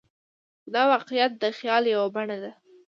خو دا واقعیت د خیال یوه بڼه ده.